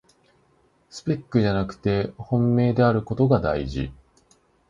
スペックじゃなくて本命であることがだいじ